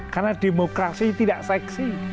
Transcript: karena demokrasi tidak seksi